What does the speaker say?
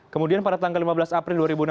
kemudian pada tanggal lima belas april